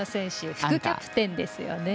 副キャプテンですよね。